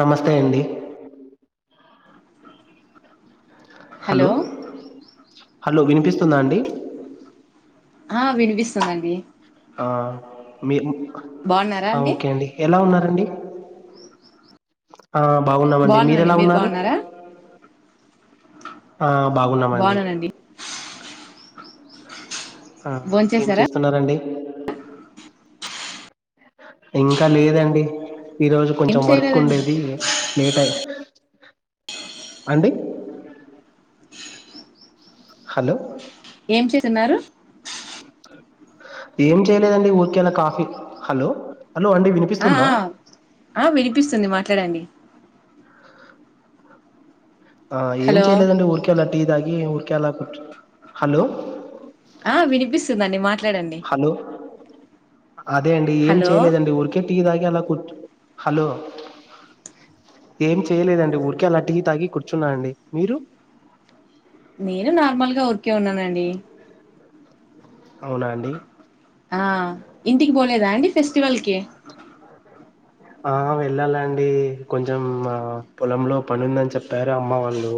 నమస్తే అండి hello hello వినిపిస్తుందా అండి ఆ వినిపిస్తుందండి ఆ మీరు ఆ ఓకే అండి ఎలా ఉన్నారు రండి ఆ బాగున్నామండి బాగున్నానండి మీరెలా మీరు ఉన్నారు బాగున్నారా ఆ బాగున్నామండి బాగున్నానండి ఆ ఏం భోంచేసారా చేస్తున్నరండి ఇంకా లేదండి ఈ రోజు ఏం కొంచెం వర్క్ చేయలేదండి ఉండేది లేట్ అయింది అండి హలో ఏం చేస్తున్నారు ఏం చేయలేదండి ఊరికేల కాఫీ హలో హలో అండి ఆ వినిపిస్తుందా ఆ వినిపిస్తుంది మాట్లాడండి ఆ ఏం హలో చేయలేదండి ఊరికేలా టీ దాగి ఊరికేలా హలో ఆ వినిపిస్తుందండి మాట్లాడండి హలో అదే అండి ఏం హలో చేయలేదండి ఉరికే టీ దాగి అలా కుర్చ హలో ఏం చేయలేదండి ఊరికేల టి తాగి కూర్చున్నా అండి మీరు నేను నార్మల్గా ఊరికే ఉన్నానండి అవునా అండి ఆ ఇంటికి పోలేదా అండి ఫెస్టివల్ కి ఆ వెళ్ళాలాండి కొంచెం పొలంలో పని ఉందని చెప్పారు అమ్మ వాళ్ళు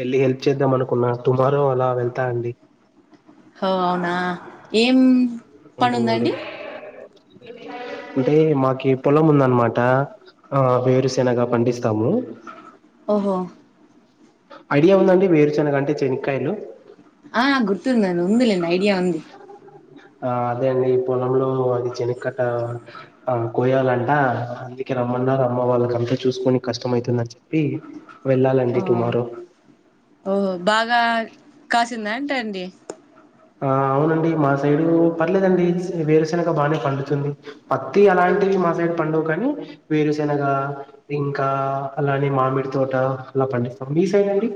వెళ్ళి హెల్ప్ చేద్దాం అనుకున్న టుమారో అలా వెళ్తా అండి హో అవునా ఏం పని ఉందండి అ అంటే మాకి పొలం ఉందన్నమాట ఆ వేరుశెనగా పండిస్తాము ఓహో ఐడియా ఉందండి వేరుచనగా అంటే చెనకాయలు ఆ గుర్తుందన్ ఉంది లెండి ఐడియా ఉంది ఆ అదే అండి పొలంలో అది చెనక్కట్ట ఆ కోయాలంట అందుకే రమ్మన్నారు అమ్మ వాళ్ళ అంతా చూసుకోని కష్టం అవుతుందని చెప్పి వెళ్ళాలండి టుమారో ఓ బాగా కాసిందా అంట అండి ఆ అవునండి మా సైడు పర్లేదండి వేరుశనగ బాగానే పండుతుంది పత్తి అలాంటి మాసైడ్ పండువు కానీ వేరుశెనగ ఇంకా అలాని మామిడి తోట అలా పం స్తం మీసైడండి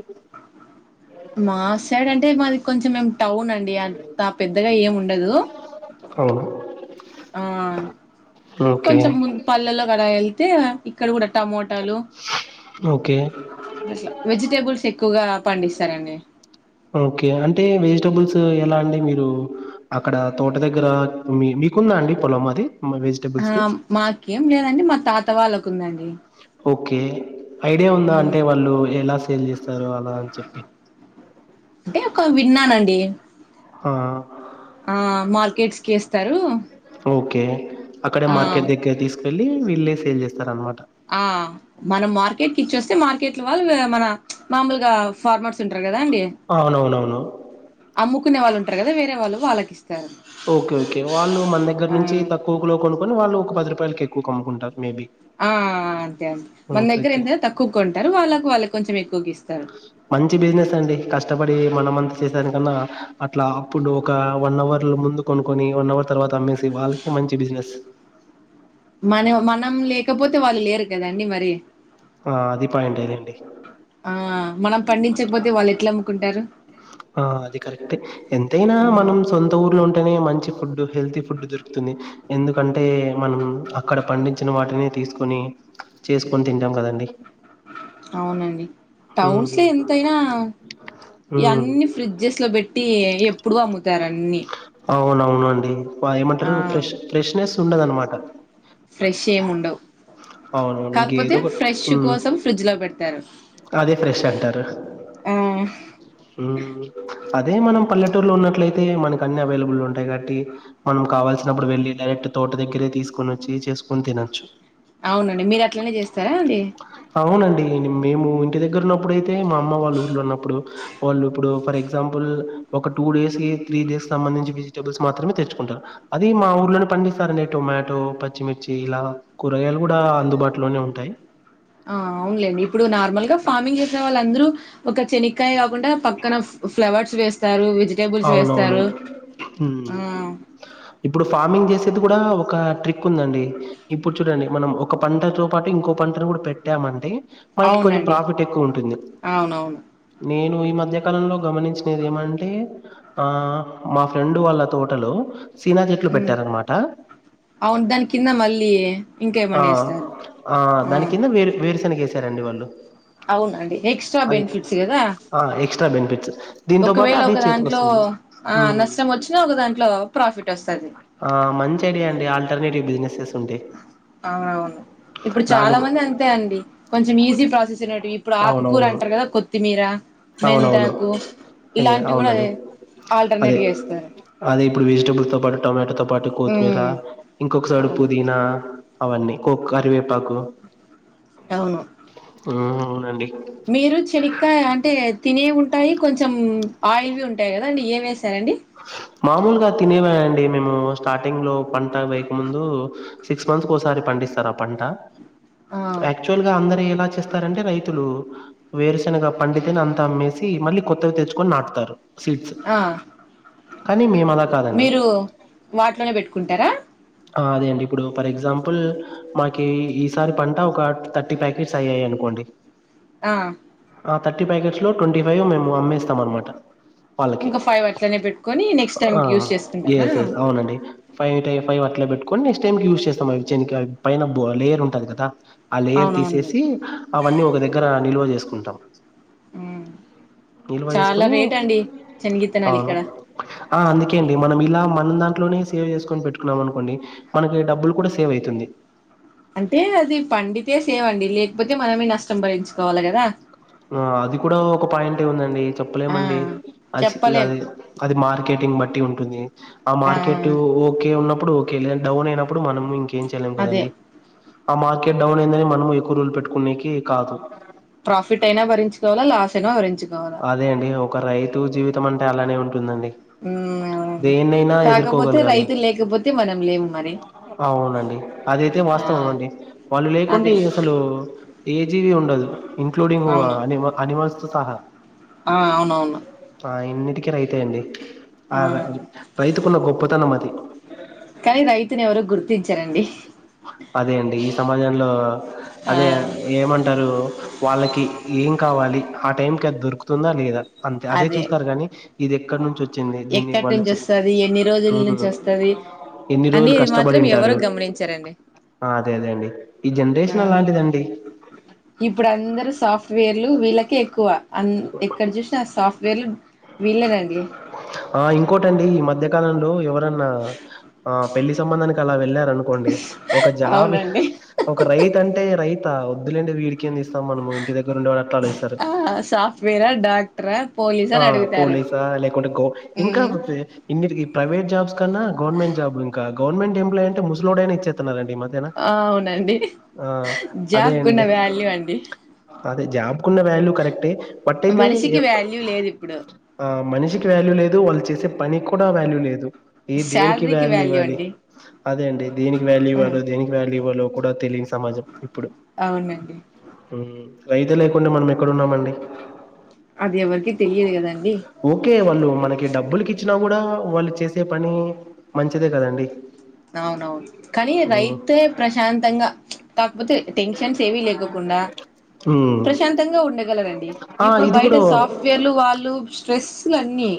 మా సైడ్ అంటే మాది కొంచం మీమ్ టౌన్ అండి అంత పెద్దగా ఏమి ఉండదు అవును ఆ కొంచెం ము పల్లల్లో కల వెళ్తే ఇక్కడ కూడా టమోటలు ఓకే అట్లా వెజిటేబుల్స్ ఎక్కువగా పండిస్తారండి టబుల్స్ ఎలా అండి మీరు అక్కడ తోట దగ్గర మీ మీకుందా అండి పొలం అది ఆ వెజిటబుల్స్‌ది? మాకేం లేదండి మా తాత వాళ్ళకు ఉందండి ఓకే ఐడియా ఉందా ఉమ్ అంటే వాళ్ళు ఎలా సేల్ చేస్తారు అలా అని చెప్పి అంటే ఒక విన్నానండి ఆ ఆ మార్కెట్స్ కి ఎస్తారు ఓకే అక్కడే మార్కెట్ దగ్గర తీసుకెళ్ళ వీళ్ళే సేల్ చేస్తారనమా ఆ ట్ల వాళ్ళు మన మామల్ గా ఫార్మట్స్ ఉంట కదా అండి అవునవునవును. అమ్ముకునే వాళ్ళు ఉంటారు కదా వేరే వాళ్ళు వాళ్ళకి ఇస్ ఓకే ఓకే వాళ్ళు మన దగ్గర ఆ నుంచి తక్కువకులో కొనుకోని వాళ్ళు ఒక పది రూపాయలకి ఎక్వకమ్ముకుంటారు మేబీ ఆ అంతే అంతే మన దగ్గర ఓకేకే. ఎంత తక్కువ కొంటారు వాళ్ళకు వాళ్ళకి కొంచెం ఎక్కువగా ఇస్తారు మంచి బిజినెస్ అండి కష్టపడి మనమంతా చేసాని కన్నా అట్లా అప్పుడు ఒక వన్ అవర్ ముందు కొనుకొని వన్ అవర్ తర్వాత అమ్మేసి వాళ్ళకి మంచి బిజినెస్ మన మనం లేకపోతే వాళ్ళు లేరు కదండి మరి ఆ అది పయంటేలేండి ఆ మనం పండించకపోతే వాళ్ు ఎట్లా అమ్ముకుంటారు ఆ అది కరెక్ట్ ఎ ఎంతైనా ఉమ్ మనం సొంత ఊర్లో ఉంటేనే మంచి ఫుడ్ హెల్తీ ఫుడ్ దొరుకుతుంది ఎందుకంటే మనం అక్కడ పండించిన వాటిని తీసుకొని చేసుకొని తింటాం కదండి అవునండి ఉమ్ టౌన్స్లఎంతయినా ఉమ్ ఇయన్ని ఫ్రిడ్జెస్ లో పెట్టి ఎప్పుడు అమ్ముతారు అన్ని అవున అవునుండి ఆ ఏమంటారు ఫ్రెష్ ఫ్రెష్నెస్ ఉండదనమాట ఏం ఉండవు అవునవును కాకపోతే ఇంకేదో ఒక ఫ్రెష్ కోసం ఫ్రిడ్జ్ లో పెడతారు అదే ఫ్రెష్ అంటారు ఆ అదే మనం పల్లె టూర్ లో ఉన్నట్లయితే మనకి అన్ని అవైలబుల్ ఉంటయి కబట్టి మనం కావాల్సినప్పుడు వెళ్లి డైరెక్ట్‌ తోట దగ్గరే తీసుకు సుకొనచ్చి చేసుకొని తినొచ్చు అవునండి మీరు అట్లనే చేస్తారా అండి అవునండి మేము ఇంటి దగ్గర ఉన్నప్పుడు అయితే మా అమ్మ వాళ్ళ ఊర్లో ఉన్నప్పుడు వాళ్ళు ఇప్పుడు ఫర్ ఎగ్జాంపుల్ ఒక టూ డేస్ కి త్రీ డేస్ కి సంబంధించి వెజిటబుల్ మాత్రే తెచ్చుకుంటారు అది మా ఊర్లోనే పండిస్తారు అనే టొమాటో పచ్చిమిర్చి ఇలా కూరగాయలు కూడా అందుబాటులోనే ఉంటాయి ఆ అవునులేండి ఇప్పుడు నార్మల్ గా ఫార్మింగ్ చేసిన వాళ్ళందరూ ఒక చెనికాయ కాకుండా పక్కన ఫ్లవర్స్ వేస్తారు వెజిటేబుల్స్ అవునవును వేస్తారు ఉమ్ ఆ ఇప్పుడు ఫార్మింగ్ చేసేది కూడా ఒక ట్రిక్ ఉందండి ఇప్పుడు చూడండి మనం ఒక పంటతో పాటు ఇంకో పంటను కూడా పెట్టామంటే మనకి కొంచెం అవునండి ప్రాఫిట్ ఎక్కువ ఉంటుంది అవునవును నేను ఈ మధ్యకాలంలో గమనించినది ఏమంటే ఆ మా ఫ్రెండ్ వాళ్ళ తోటలో సీనా చెట్లు ఉమ్ పెట్టారనమాట అవును దాని కింద మళ్ళీ ఆ! ఇంకేమన్న ఏస్తారు ఆ నికేసారండి వాళ్ళు అవునండి ఎక్స్ట్రా అది బెనిఫిట్స్ కదా ఆ ఎక్స్‌ట్రా బెనిఫిట్స్ దీంతో పాటు ఒకవేళ అది ఒక చేతికి వస్త దాంట్లో ఆ నష్టం వచ్చినా ఒక దాంట్లో ప్రాఫిట్ వస్తాది ఆ మంచి ఐడియా అండి ఆల్టర్నేటివ్ బిజినెసెస్ ఉంటే అవునవును ఇప్పుడు దాని చాలా మంది అంతే అండి కొంచెం ఈజీ ప్రాసెస్ అనట్టు ఇప్పుడు ఆకుకూర అవునవును. తింటరు కదా కొత్తిమీర అవునవును. మెంతాకు అయ్యే ఇలాంటివి అవునండి కూడాదే ఆల్టర్నేట్ అదే గా వేస్తారు అదే ఇప్పుడు వెజిటేబుల్ తో పాటు టొమాటో తో పాటు కొత్తిమీర ఉమ్ ఇంకొకసైడ్ అవును పుదీనా అవన్నీ కోకరివేపాకు అవును ఉమ్ అవునండి మీరు చెనికాయ అంటే తినేవీ ఉంటాయి కొంచెం ఆయిల్వి ఉంటాయి కదాండి ఏం ఎస్ మామూలుగా తినేవే అండిమేము స్టార్టింగ్ లో పంట వేయక ముందు సిక్స్ మంత్స్కి ఒకసారి పండిస్తారు ఆ పంట ఆ యాక్చువల్ గా అందరు ఎలా చేస్తారంటే రైతులు వేరుశనగా పండితేనే అంతా అమ్మేసి మళ్ళీ కొత్తవి తెచ్చుకొని నాటుతారు సీడ్స్ ఆ కానీ మీమా మీరు వాటిలోనే పెట్టుకుంటారా ఆ అదే అండి ఇప్పుడు ఫర్ ఎగ్జాంపుల్ మాకి ఈసారి పంట ఒక థర్టీ ప్యాకెట్స్ అయ్యాయి అండి అనుకోండి ఆ ఆ థర్టీ ప్యాకెట్స్ లో ట్వంటీ ఫైవ్ మేము అమ్మేస్తాం అనమాట వాళ్ళకి ఇంకా ఫైవ్ అట్లనే పెట్టుకొని నెక్స్ట్ ఆ టైంకి యూస్ చేసుకుంటారా ఎస్ ఎస్ అవునండి ఫైవ్ టై ఫైవ్ అట్లా పెట్టుకోని నెక్స్ట్ టైమ్కి యూజ్ చెస్తమండి చెనికాయికి పైన లేయర్ ఉంటది కదా ఆ లేయర్ అవునవునులే తీసేసి అవన్నీ ఒక దగ్గర నిల్వ చేసుకుంటాం ఉమ్ నిలువ చాలా చెసుకోని రేట్ అండి శనిగిత్తనాలు అవును ఇక్కడ ఆ అందుకే అండి మనం ఇలా మన దాన్ని అట్లోనే సేవ్ చేసుకొని పెట్టుకున్నాం అనుకోండి మనకి డబ్బులు కూడా సేవ్ అవుతుంది లేవండి లేకపోతే మనమే నష్టం భరించుకోవాలి కదా ఆ అది కూడా ఒక పాయింట్ ఉందండి ఆ చెప్పలేమండి అస్ చెప్పలేం అది మార్కెట్ ని బట్టి ఉంటుంది ఆ మార్కెట్ ఓకే ఉన్నప్పుడు ఓకే లేదా డౌన్ అయినప్పుడ్ అప్పుడు మనము ఇంకేం చేయలేం అదే కదండి ఆ మార్కెట్ డౌన్ అయిందని మనం ఎక్కువ రూల్ పెట్టుకునేకి కాదు ప్రాఫిట్ అయినా భరించుకోవాలా లాస్ అయినా భరించ అదే అండి ఒక రైతు జీవితం అంటే అలానే ఉంటుందండి హ్మ్ దేన్నైనా కాకపోతే ఎదుర్కోగలగాలి రైతు లేకపోతే మనం లేము మరి అవునండి అదయితే ఆ వాస్తవం అండి వాళ్ళు లేకుంటే అదే అసలు ఏజ్ వి ఉండదు ఇంక్లూడింగ్ అవును అని అనిమల్స్ తో సహా ఆ అవునవును ఆ ఇన్నిటిక రైతె అండి ఆ రై రైతుకున్న గొప్పతనం మతి కానీ రైతుని ఎవరు గుర్తించారండి అదే అండి ఈ సమాజంలో ఆ అదే ఏమంటారు వాళ్ళకి ఏం కావాలి ఆ టైంకి అది దొరుకుతుందా లేదా అంతే అదే చూస్తారు కాని ఇది ఎక్కడ నుంచి వచ్చ్ ఎక్కడి నుంచి వస్తది ఎన్ని రోజుల నుంచి వస్తది ఎన్ని అని రోజులు ఇ మాత్రం ఎవరు కష్టపడింటారు గమనించ చారండి అదే అదే అండి ఈ జనరేషన్ హ్మ్ అలాంటిదండి ఇప్పుడు అందరు సాఫ్ ఫ్ట్వేర్లు వీళ్ళకే ఎక్కువ అం ఎక్కడ చూసిన ఆ సాఫ్ట్వేర్లు వీళ్ళెనండి ఆ ఇంకోటండి ఈ మధ్యకాలంలో ఎవరన్నా ఆ పెళ్లి సంబంధానికి అలా వెళ్ళా అనుకోండి ఒక జాబ అవునండి ఒక రైతు అంటే రైత వద్దులేండి వీడికి ఎంది స్తా మనము ఇంటి దగ్గరు ఉండి వా అట్లాఇస్తరు ఆ సాఫ్ట్వేరా డాక్టరా పోలీస్ ఆ అని అడుగుతారు పోలీసా లేకుంటే గో ఇంకా మ్మ్ ఇన్నిటికి ప్రైవేట్జాబ్స్ కన్నా గవర్మెంట్ జాబ్ ఇం గవర్నమెంట్ఎప్లాయ్ అంటే ముసలోడైనా ఇచేస్తున్నారండి ఈ మద్యనా అవునండి ఆ అదే జాబ్కున్న అండి వాల్యూ అండి జాబ్కున్న వాల్యూ కరెక్టె మనిషికి వాల్యూ లేదు ఇప్పుడు ఆ మనిషికి వాల్యూ లేదు వాళ్ళు చేసే పనికి కూడా వాల్యూ లేదు ఈ దేనికి శాలరీకి వ్యాల్యూ వాల్యూ ఇవ్వాలి అండి అదే అండి దేనికి వ్యాల్యూ ఆ, ఇవ్వాలో దేనికి వాల్యూ ఇవ్వాలి లో కూడా తెలియని సమాజం అవునండి హ్మ్ రైతు లేకుండా మనం ఎక్కడున్నామండి అది ఎవరికి తెలియదు కదండి ఓకే వాళ్ళు మనకి డబ్బు బ్బులకి ఇచ్చినా కూడా వాళ్ళు చేసే పని మంచిదే కదండి అవునవును కానీ ఉమ్ రైతే ప్రశాంతంగా కాకపోతే టెన్షన్స్ ఏవీ లేకోకుండా ఉమ్. ప్రశాంతంగా ఉండగలరండి ఆ ఇప్పుడు ఇది బయట కూడా సాఫ్ట్వేర్లు వాళ్ళు స్ట్రెస్లు అన్నీ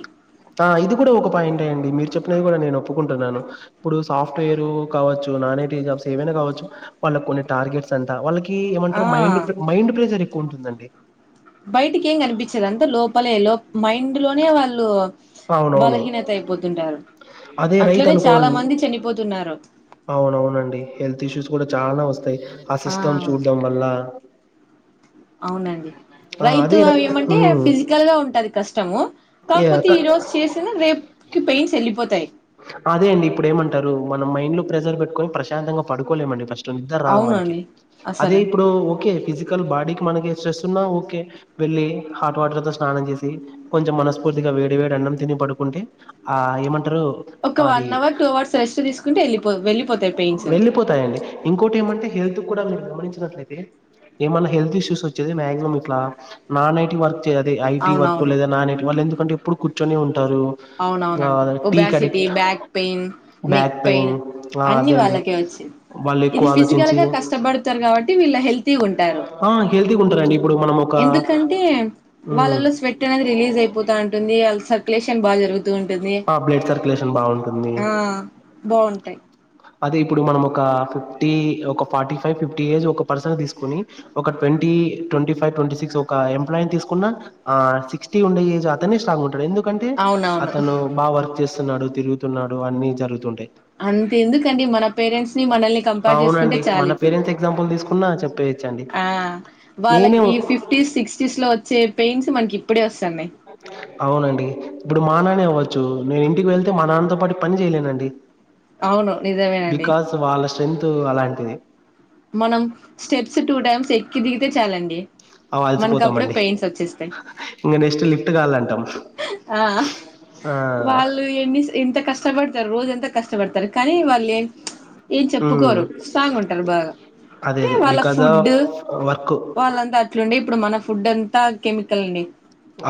ఆ ఇది కూడా ఒక పాయింటే అండి మీరు చెప్పినది కూడా నేను ఒప్పుకుంటున్నాను ఇప్పుడు సాఫ్ట్వేర్ కావచ్చు నాన్ ఐటి జబ్స్ ఏవైనా కావచ్చు వాళ్ళకి కొన్ని టార్గెట్స్ అంట వాళ్ళ కి ఆ ఏమంటారు మైండ్ మైండ్ ప్రెషర్ ఎక్కువ ఉంటుందండి బయటికి ఏం కనిపించారు అంతా లోపలే లో మైండ్ లోనే వాళ్ళు అవునవును. బలహీనత అయిపోతుంటారు అదే అట్లనే చాలా రైతనుకోండి మంది చనిపోతున్నారు అవునవునండి హెల్త్ ఇష్యూస్ కూడా చాలా వస్తాయి ఆ సిస్టమ్ చూడ్డం వల్ల అవునండి ఆ! రైతు అదే రై ఏమంటే హ్మ్. ఫిజికల్ గా ఉంటది కష్టము యాహ్! కాకపోతే క ఈ రోజు చేసిన రేపు పెయిన్స్ ఎల్లిపోతాయి అదే అండి ఇప్పుడు ఏమంటారు మనం మైండ్ లో ప్రెజర్ పెట్టుకొని ప్రశాంతంగా పడుకోలేమండి ఫస్ట్ నిద్దరాదు మనకి అవునండి అదే అసలు ఇప్పుడు ఓకే ఫిజిక్ బాడీకి మనకి స్ట్రెస్ ఉన్నా ఓకే వెళ్ళి హట్ వాటర్ తో స్నానం చేసి కొంచెం మనస్ఫూర్తిగా వేడి వేడి అన్నం తిని పడుకుంటే ఆ ఏమంటారు ఒక అది one hour two hours rest తీసుకుంటే వెళ్ళిపో వెళ్ళిపోతాయి పెయిన్స్ వెళ్లిపోతాయండి ఇంకోటి ఏమంటే హెల్త్ మీరు గమనించినట్లయితే ఏమన్నా హెల్త్ ఇష్యూస్ వచ్చేది మ్యాక్సిమం ఇట్లా నాన్ ఐటీ వర్క్ అదే ఐటీ వర్క్ అవునవును లేదా నాన్ ఐటి వాళ్ళు ఎందుకంటే ఎప్పుడు కూర్చొని ఉంటారు అవునవునండి టీ క obesity back pain neck pain ఆ అన్ని అదే అండి వాళ్ళకే వచ్చి వాళ్ళు ఇది ఎక్కువ ఫిజికల్ ఆలోచించి గా కష్టపడతారు కాబట్టి వీళ్ళ హెల్తీ ఉంటారు ఆ హెల్తీగా ఉంటారండి ఇప్పుడు మనం ఒక ఎందుకంటే వాళ్ళలో ఉమ్ స్వెట్ అనేది రిలీజ్ అయిపోతా ఉంటుంది అలస బాగా జరుగుతూ ఉంటుంది ఆ బ్లడ్ సర్క్యులేషన్ బాగుంటుంది ఆ బాగుం అదే ఇప్పుడు మనం ఒక ఫిఫ్టీ ఒక ఫార్టీ ఫైవ్ ఫిఫ్టీ ఏజ్ ఒక పర్సన్ తీసుకుని ఒక twenty twenty five twenty six ఒక ఎంప్లాయిని తీసుకున్నా సిక్స్టీ ఉండేజ్ అతన్ని స్ట్రాంగ్ ఉంటాడు ఎందుకు ఎందుకంటే అవునవును అతను బాగా వర్క్ చేస్తున్నాడు తిరుగుతున్నాడు అన్ని జరుగుతుంటాయి అంత ఎందుకండీ మన పేరెంట్స్ మనల్ని కంపేర్ చేసుకుంటే అవునండి చాలు మన ఇప్పుడు పేరెంట్స్ ఎగ్జాంపుల్ తీసుకున్నా చెప్పేయచ్చండి ఆ నేనే వాళ్ళకి ఫిఫ్టీస్ సిక్స్టీస్ లో వచ్చే పెయిన్స్ మనకి ఇప్పుడే వస్ అవునండి ఇప్పుడు మా నానే అవ్వ చూ నేను ఇంటికి వెళ్తే మా నాన్నతో పాటు పని చేయలేనండి అవును నిజమేనండి బికాస్ వాళ్ళ స్ట్రెంత్ అలాంటిది మనం స్టెప్స్ టూ టైమ్స్ ఎక్కి దిగితే చాలండి అవి మనకప్పుడే అలసిపోతామండి పెయిన్స్ వచ్చేస్తాయి ఇంక నెక్స్ట్ లిఫ్ట్ కావాలంటాం ఆ ఆ వాళ్ళు ఎన్ని ఎంత కష్టపడతారు రోజు అంతా కష్టపడతారు కానీ వాళ్ళు ఏం ఏం ఉమ్ చెప్పుకోరు స్ట్రాంగ్ ఉంటారు బాగా అదే అంటే అదే వాళ్ళ బికాస్ ఫుడ్ ఆఫ్ వర్క్ వాళ్ళంతా అట్లుండే ఇప్పుడు మన ఫుడ్ అంతా కెమికల్ అండి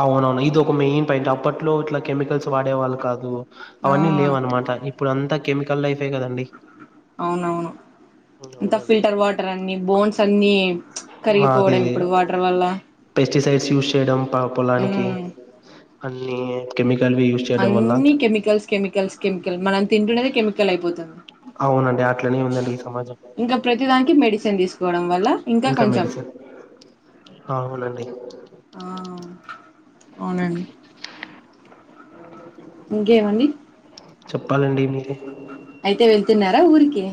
అవునవును ఇది ఒక మెయిన్ పాయింట్ అప్పట్లో ఇట్లా కెమికల్స్ వాడేవాళ్ళు కాదు ఆ అవన్నీ లేవన్నమాట ఇప్పుడు అంతా కెమికల్ లైఫే కదండి అవునవును ఉమ్, అంత అవునండి ఫిల్టర్ వాటర్ అన్ని బోన్స్ అన్ని కరిగిపోవడం అదేది ఇప్పుడు వాటర్ వల్ల పెస్టిసైడ్స్ యూస్ చేయడం పొలానికి మ్మ్ అన్ని కెమికల్వి యూజ్ చేయడం వల్ల అన్ని కెమికల్స్ కెమికల్స్ కెమికల్ మనం తింటున్నది కెమికల్ అయిపోతుంది అవునండి అట్లనే ఉందండి ఈ సమాజం ఇంకా ప్రతిదానికి మెడిసిన్ తీసుకోవడం వల్ల ఇంకా కొంచెం ఆవునండి ఆ అవునండి [unintelligible] ఇంకా ఏం అండి చెప్పాలండి మీరే అయితే వెళ్తున్నారా ఊరికి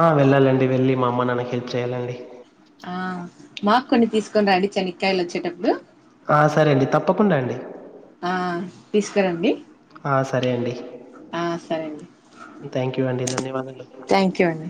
ఆ వెళ్ళాలండి వెళ్ళి మా అమ్మ నాన్నకు హెల్ప్ చేయ్యాలండి ఆ మాకు కొన్ని తీసుకొని రండి చని కాయలు వచ్చేటప్పుడు ఆ సరే అండి తప్పకుండా అండి ఆ తీసుకురండి ఆ సరే అండి ఆ సరే అండి థ్యాంక్ యూ అండి ధన్యవాదాలు థ్యాంక్ యూ అండి